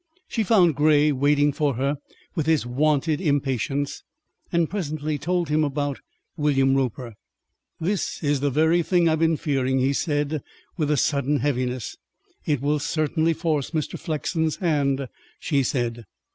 She found Grey waiting for her with his wonted impatience, and presently told him about William Roper. "This is the very thing I've been fearing," he said with a sudden heaviness. "It will certainly force Mr. Flexen's hand," she said.